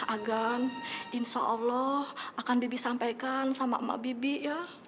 agar insya allah akan bibi sampaikan sama emak bibi ya